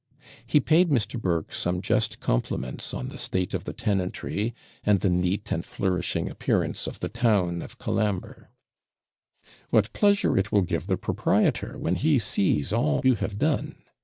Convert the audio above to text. He paid Mr. Burke some just compliments on the state of the tenantry, and the neat and flourishing appearance of the town of Colambre. 'What pleasure it will give the proprietor when he sees all you have done!'